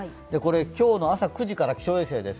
今日の朝９時から気象衛星です。